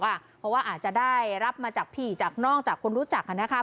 เพราะว่าอาจจะได้รับมาจากพี่จากนอกจากคนรู้จักนะคะ